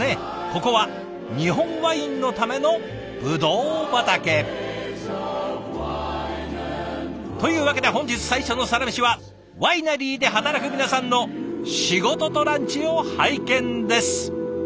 ここは日本ワインのためのブドウ畑。というわけで本日最初のサラメシはワイナリーで働く皆さんの仕事とランチを拝見です！